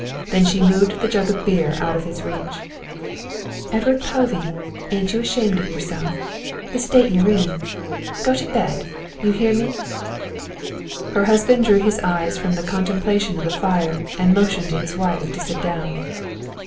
Then she moved the jug of beer out of his reach. "Edward Povey, ain't you ashamed of yourself the state you're in go to bed you hear me?" Her husband drew his eyes from the contemplation of the fire and motioned to his wife to sit down.